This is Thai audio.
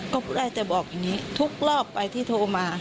ก็ได้แต่บอกอย่างนี้ทุกรอบไปที่โทรมา